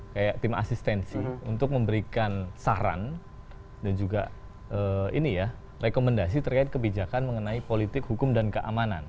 kayak tim asistensi untuk memberikan saran dan juga ini ya rekomendasi terkait kebijakan mengenai politik hukum dan keamanan